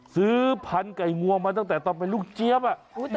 ซื้อพันธุ์ไก่งวงมาตั้งแต่ตอนเป็นลูกเจี๊ยบ